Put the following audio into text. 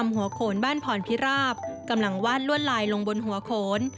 หัวโขนบ้านพรพิราบกำลังวาดลวดลายลงบนหัวโขน